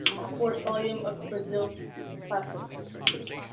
The fourth volume of “Brazil Classics”.